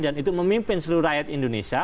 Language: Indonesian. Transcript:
dan itu memimpin seluruh rakyat indonesia